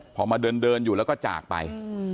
พอมาเดินอยู่แล้วก็จากไป